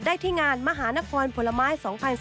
ที่งานมหานครผลไม้๒๐๑๘